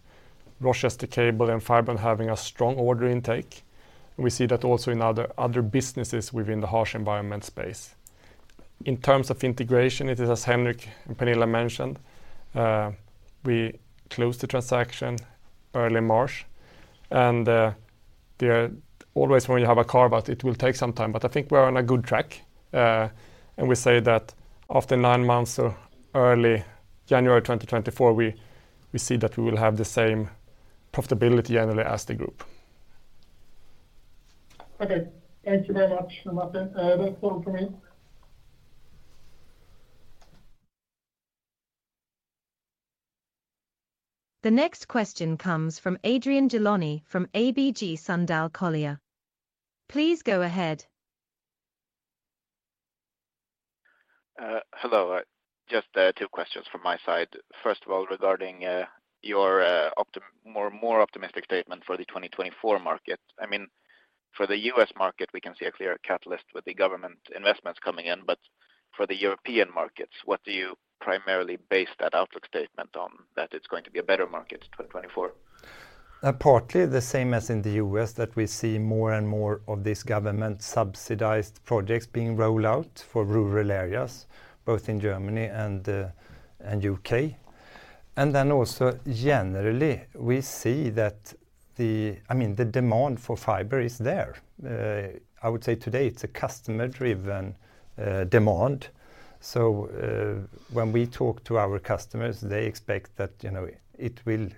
Speaker 3: Rochester Cable and Fibron having a strong order intake. We see that also in other, other businesses within the Harsh Environment space. In terms of integration, it is, as Henrik and Pernilla mentioned, we closed the transaction early March, and they're always when you have a car, but it will take some time, but I think we're on a good track. We say that after nine months or early January 2024, we, we see that we will have the same profitability annually as the group.
Speaker 8: Okay. Thank you very much, Martin. That's all for me.
Speaker 1: The next question comes from Adrian Gilani from ABG Sundal Collier. Please go ahead.
Speaker 9: Hello. Just two questions from my side. First of all, regarding your more, more optimistic statement for the 2024 market. I mean, for the U.S. market, we can see a clear catalyst with the government investments coming in, but for the European markets, what do you primarily base that outlook statement on, that it's going to be a better market, 2024?
Speaker 2: Partly the same as in the U.S., that we see more and more of these government subsidized projects being rolled out for rural areas, both in Germany and U.K.. Then also, generally, we see I mean, the demand for fiber is there. I would say today, it's a customer-driven demand. When we talk to our customers, they expect that, you know, it will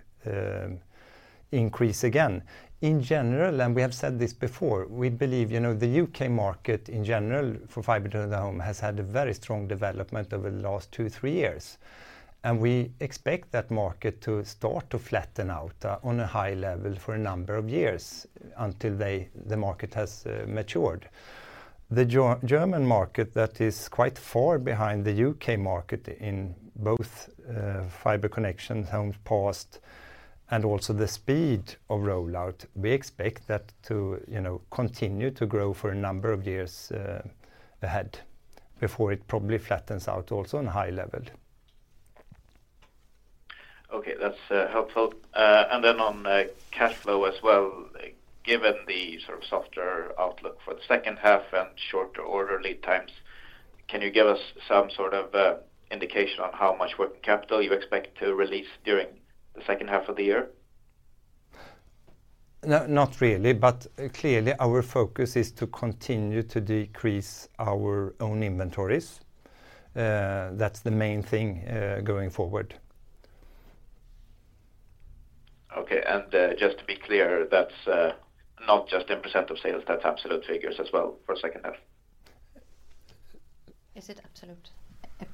Speaker 2: increase again. In general, and we have said this before, we believe, you know, the U.K. market, in general, for Fiber to the Home, has had a very strong development over the last two, three years. We expect that market to start to flatten out on a high level for a number of years until the market has matured. The German market that is quite far behind the U.K. market in both, fiber connections, Homes Passed, and also the speed of rollout. We expect that to, you know, continue to grow for a number of years ahead, before it probably flattens out also on a high level.
Speaker 9: Okay, that's helpful. Then on cash flow as well, given the sort of softer outlook for the second half and shorter order lead times, can you give us some sort of indication on how much working capital you expect to release during the second half of the year?
Speaker 2: No, not really. Clearly, our focus is to continue to decrease our own inventories. That's the main thing going forward.
Speaker 9: Okay. Just to be clear, that's not just in % of sales, that's absolute figures as well for second half?
Speaker 4: Is it absolute?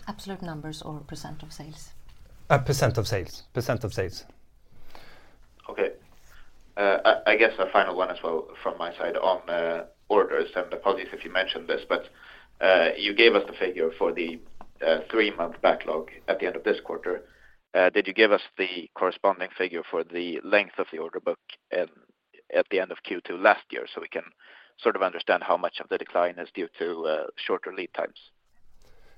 Speaker 4: Absolute numbers or % of sales.
Speaker 2: % of sales. % of sales.
Speaker 9: Okay. I guess a final one as well from my side on orders, and apologies if you mentioned this, but you gave us the figure for the three-month backlog at the end of this quarter. Did you give us the corresponding figure for the length of the order book at the end of Q2 last year? We can sort of understand how much of the decline is due to shorter lead times.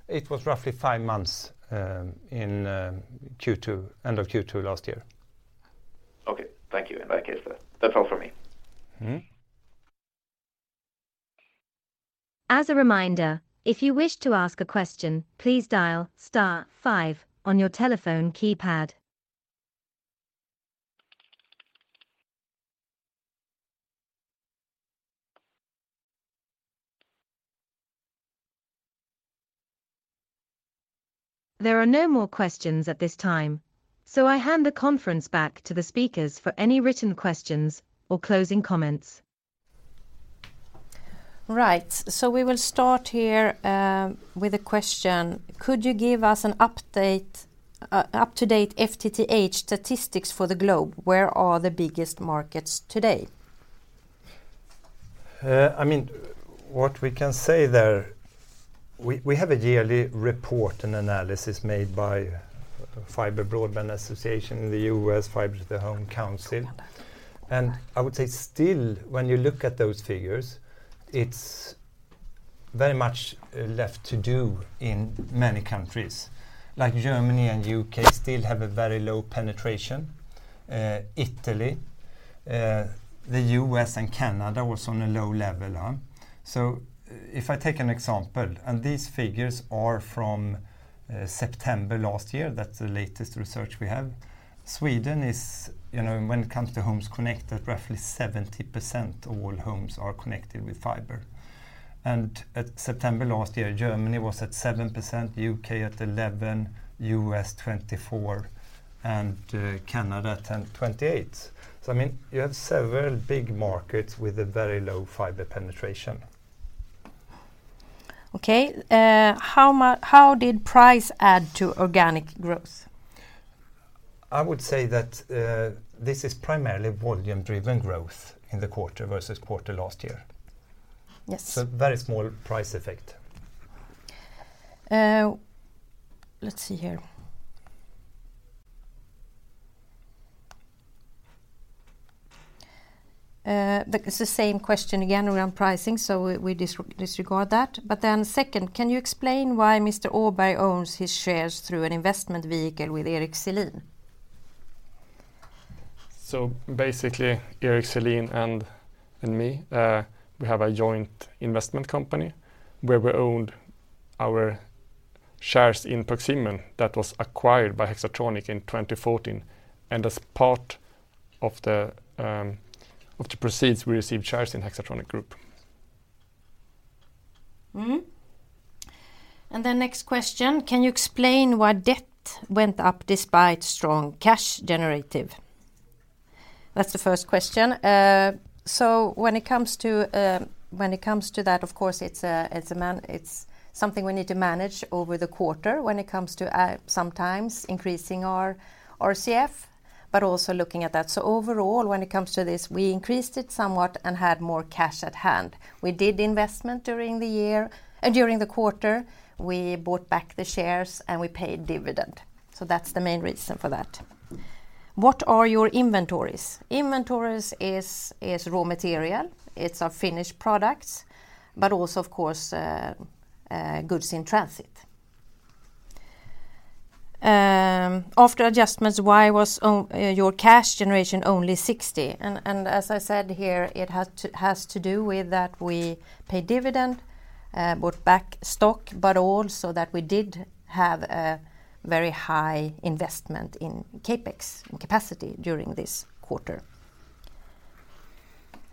Speaker 2: It was roughly five months, in Q2, end of Q2 last year.
Speaker 9: Okay. Thank you. In that case, then, that's all for me.
Speaker 2: Mm-hmm.
Speaker 1: As a reminder, if you wish to ask a question, please dial star five on your telephone keypad. There are no more questions at this time, so I hand the conference back to the speakers for any written questions or closing comments.
Speaker 4: Right. We will start here, with a question: Could you give us an update, up-to-date FTTH statistics for the globe? Where are the biggest markets today?
Speaker 2: I mean, what we can say there, we have a yearly report and analysis made by Fiber Broadband Association in the U.S., Fiber to the Home Council. I would say still, when you look at those figures, it's very much left to do in many countries. Like Germany and U.K. still have a very low penetration. Italy, the U.S. and Canada, also on a low level, huh? If I take an example, and these figures are from September last year, that's the latest research we have. Sweden is, you know, when it comes to Homes Connected, roughly 70% of all homes are connected with fiber. At September last year, Germany was at 7%, U.K. at 11%, U.S., 24%, and Canada, 10%... 28%. I mean, you have several big markets with a very low fiber penetration.
Speaker 4: Okay. How did price add to organic growth?
Speaker 2: I would say that, this is primarily volume-driven growth in the quarter versus quarter last year.
Speaker 4: Yes.
Speaker 2: Very small price effect.
Speaker 4: Let's see here. It's the same question again around pricing, so we, we disregard that. Then second, can you explain why Mr. Åberg owns his shares through an investment vehicle with Erik Selin?
Speaker 3: Basically, Erik Selin and, and me, we have a joint investment company where we owned our shares in Proximion that was acquired by Hexatronic in 2014. As part of the proceeds, we received shares in Hexatronic Group.
Speaker 4: Mm-hmm. Next question: Can you explain why debt went up despite strong cash generative? That's the first question. When it comes to, when it comes to that, of course, it's a, it's something we need to manage over the quarter when it comes to sometimes increasing our, our CF, but also looking at that. Overall, when it comes to this, we increased it somewhat and had more cash at hand. We did investment during the year, during the quarter, we bought back the shares, and we paid dividend. That's the main reason for that. What are your inventories? Inventories is raw material. It's our finished products, but also, of course, goods in transit. After adjustments, why was your cash generation only 60? And as I said here, it has to, has to do with that we pay dividend, bought back stock, but also that we did have a very high investment in CapEx and capacity during this quarter.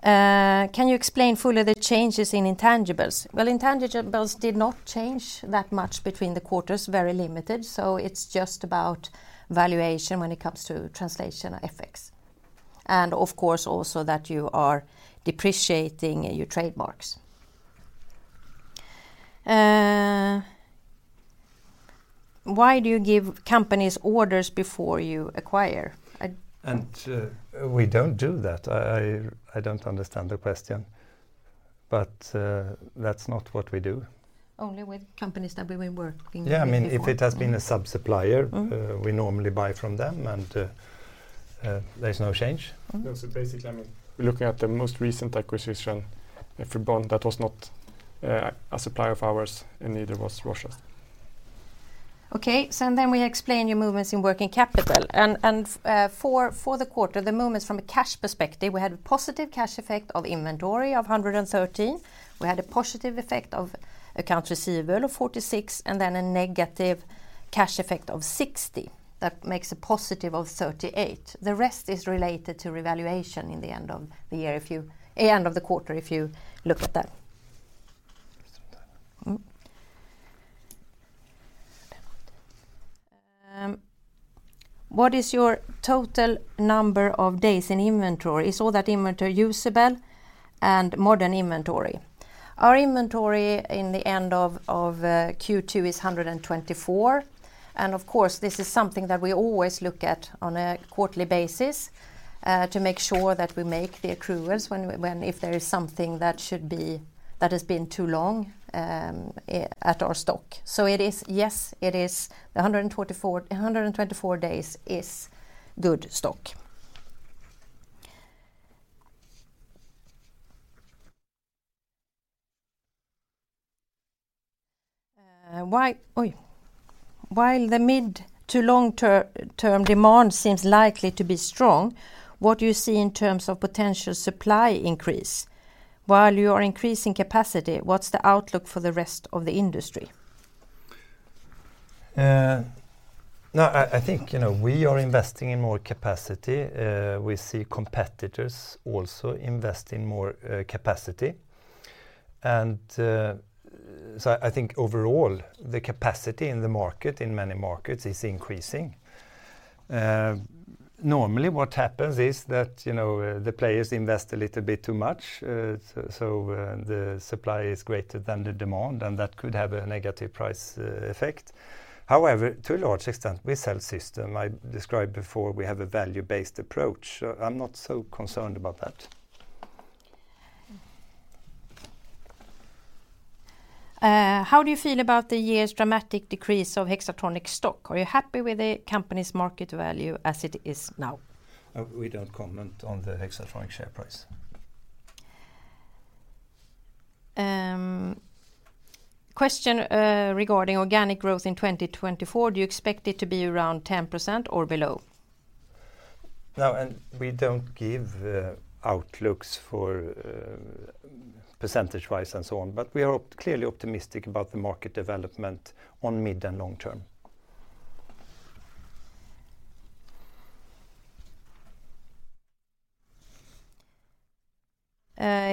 Speaker 4: Can you explain fully the changes in intangibles? Well, intangibles did not change that much between the quarters, very limited, so it's just about valuation when it comes to translation effects. Of course, also that you are depreciating your trademarks. Why do you give companies orders before you acquire?
Speaker 2: We don't do that. I, I, I don't understand the question, but that's not what we do.
Speaker 4: Only with companies that we've been working with before?
Speaker 2: Yeah, I mean, if it has been a sub-supplier-
Speaker 4: Mm-hmm...
Speaker 2: we normally buy from them, and, there's no change.
Speaker 4: Mm-hmm.
Speaker 3: Basically, I mean, we're looking at the most recent acquisition, if we bought, that was not a supplier of ours, and neither was Russia.
Speaker 4: Okay, then we explain your movements in working capital. For the quarter, the movements from a cash perspective, we had a positive cash effect of inventory of 113. We had a positive effect of account receivable of 46, and then a negative cash effect of 60. That makes a positive of 38. The rest is related to revaluation in the end of the year, if you... end of the quarter, if you look at that. Mm-hmm. What is your total number of days in inventory? Is all that inventory usable and modern inventory? Our inventory in the end of Q2 is 124. Of course, this is something that we always look at on a quarterly basis to make sure that we make the accruals if there is something that should be, that has been too long at our stock. It is, yes, it is 124, 124 days is good stock. Why-- Oi. While the mid to long-term demand seems likely to be strong, what do you see in terms of potential supply increase? While you are increasing capacity, what's the outlook for the rest of the industry?
Speaker 2: No, I, I think, you know, we are investing in more capacity. We see competitors also invest in more capacity. So I think overall, the capacity in the market, in many markets, is increasing. Normally, what happens is that, you know, the players invest a little bit too much. So, so, the supply is greater than the demand, and that could have a negative price effect. However, to a large extent, we sell system. I described before, we have a value-based approach, so I'm not so concerned about that.
Speaker 4: How do you feel about the year's dramatic decrease of Hexatronic stock? Are you happy with the company's market value as it is now?
Speaker 2: We don't comment on the Hexatronic share price.
Speaker 4: Question, regarding organic growth in 2024, do you expect it to be around 10% or below?
Speaker 2: No, we don't give outlooks for percentage-wise and so on, but we are clearly optimistic about the market development on mid and long term.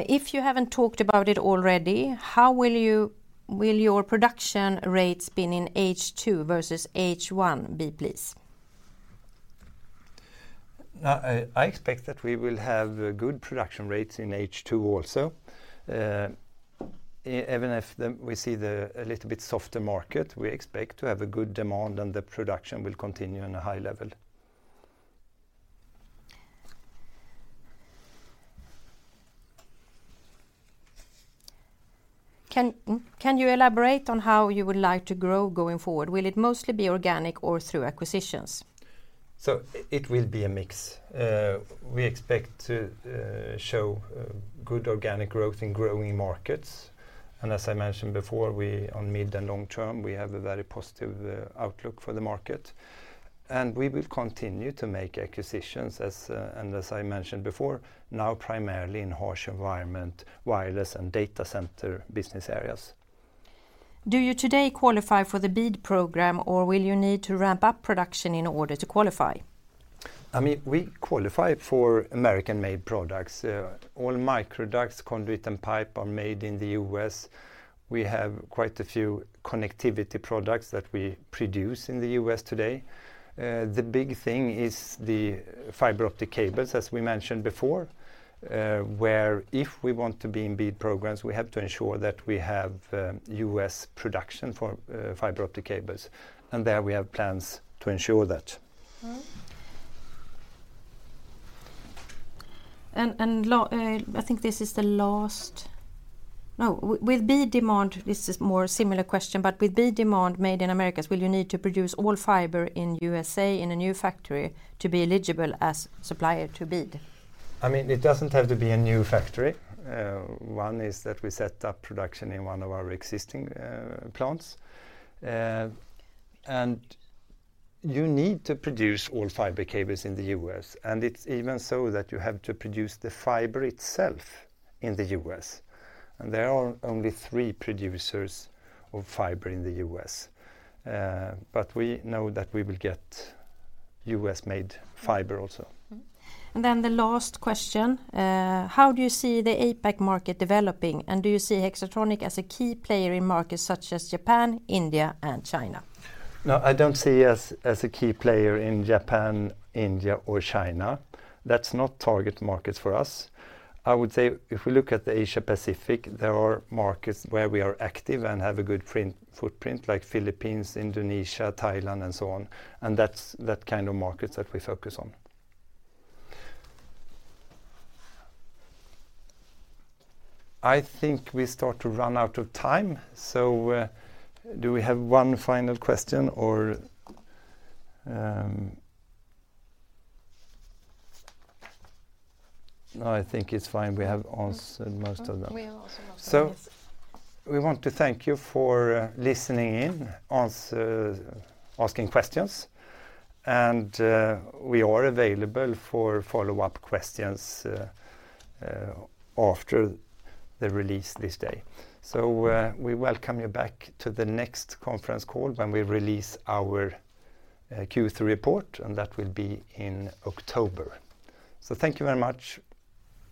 Speaker 4: If you haven't talked about it already, how will your production rates be in H2 versus H1 be, please?
Speaker 2: I, I expect that we will have good production rates in H2 also. Even if we see the, a little bit softer market, we expect to have a good demand, and the production will continue on a high level.
Speaker 4: Can you elaborate on how you would like to grow going forward? Will it mostly be organic or through acquisitions?
Speaker 2: It will be a mix. We expect to show good organic growth in growing markets. As I mentioned before, we, on mid to long term, we have a very positive outlook for the market, and we will continue to make acquisitions, and as I mentioned before, now primarily in Harsh Environment, Wireless, and Data Center business areas.
Speaker 4: Do you today qualify for the BEAD Program, or will you need to ramp up production in order to qualify?
Speaker 2: I mean, we qualify for American-made products. All microducts, conduit, and pipe are made in the U.S. We have quite a few connectivity products that we produce in the U.S. today. The big thing is the fiber optic cables, as we mentioned before, where if we want to be in BEAD Programs, we have to ensure that we have U.S. production for fiber optic cables, and there we have plans to ensure that.
Speaker 4: Mm-hmm. I think this is the last... No, with BEAD demand, this is more similar question, but with BEAD demand made in Americas, will you need to produce all fiber in U.S.A., in a new factory to be eligible as supplier to BEAD?
Speaker 2: I mean, it doesn't have to be a new factory. One is that we set up production in one of our existing plants. You need to produce all fiber cables in the U.S., and it's even so that you have to produce the fiber itself in the U.S. There are only three producers of fiber in the U.S., but we know that we will get U.S.-made fiber also.
Speaker 4: Mm-hmm. Then the last question: how do you see the APAC market developing, and do you see Hexatronic as a key player in markets such as Japan, India, and China?
Speaker 2: No, I don't see us as a key player in Japan, India, or China. That's not target markets for us. I would say, if we look at the Asia Pacific, there are markets where we are active and have a good footprint, like Philippines, Indonesia, Thailand, and so on, and that's that kind of markets that we focus on. I think we start to run out of time, so, do we have one final question, or... No, I think it's fine. We have answered most of them.
Speaker 4: We have answered most of them, yes.
Speaker 2: We want to thank you for listening in, asking questions, and we are available for follow-up questions after the release this day. We welcome you back to the next conference call when we release our Q3 report, and that will be in October. Thank you very much.